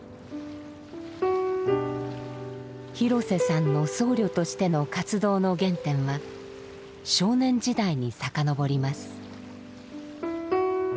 廣瀬さんの僧侶としての活動の原点は少年時代に遡ります。